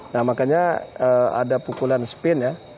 nah makanya ada pukulan spin ya